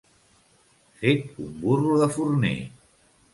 Fet un burro de forner.